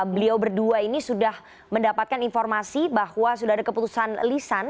beliau berdua ini sudah mendapatkan informasi bahwa sudah ada keputusan lisan